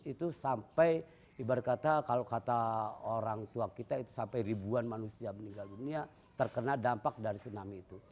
itu sampai ibarat kata kalau kata orang tua kita itu sampai ribuan manusia meninggal dunia terkena dampak dari tsunami itu